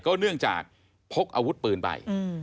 เนื่องจากพกอาวุธปืนไป